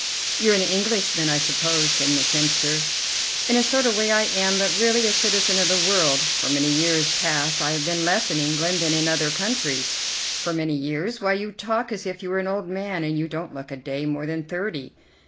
"You're an Englishman, I suppose," said Miss Hemster. "In a sort of way I am, but really a citizen of the world. For many years past I have been less in England than in other countries." "For many years? Why, you talk as if you were an old man, and you don't look a day more than thirty."